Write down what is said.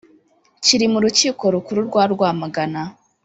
kiri mu rukiko rukuru rwa rwamagana